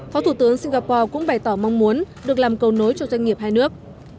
phó thủ tướng singapore cũng bày tỏ mong muốn được làm cầu nối cho doanh nghiệp hai nước